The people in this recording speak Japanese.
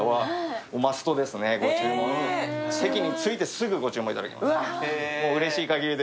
席に着いてすぐにご注文いただきます。